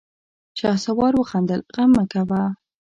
شهسوار وخندل: غم مه کوه!